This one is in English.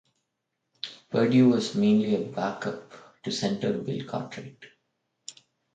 Perdue was mainly a backup to center Bill Cartwright.